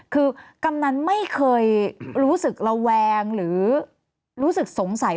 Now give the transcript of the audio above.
คือกำนันไม่เคยรู้สึกระแวงหรือรู้สึกสงสัย